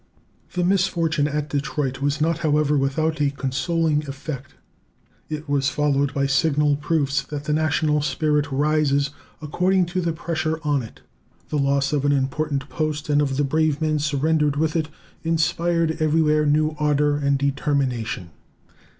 The misfortune at Detroit was not, however, without a consoling effect. It was followed by signal proofs that the national spirit rises according to the pressure on it. The loss of an important post and of the brave men surrendered with it inspired everywhere new ardor and determination.